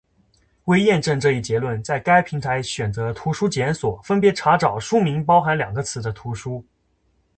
为验证这一结论，在该平台选择图书检索，分别查找书名包含两个词的图书。